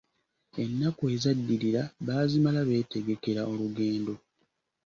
Enaku ezaddirira, baazimala betegekera olugendo.